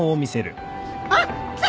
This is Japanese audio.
あっ来た！